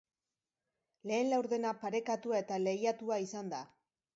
Lehen laurdena parekatua eta lehiatua izan da.